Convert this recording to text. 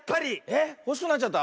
えっほしくなっちゃった？